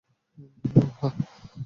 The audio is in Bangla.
ওহ হ্যাঁ, হ্যাঁ।